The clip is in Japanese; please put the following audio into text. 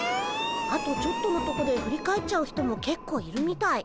あとちょっとのとこで振り返っちゃう人もけっこういるみたい。